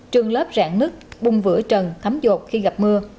trường lớp rạn nứt bung vữa trần khắm dột khi gặp mưa